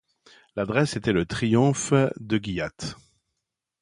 L’adresse était le triomphe de Gilliatt.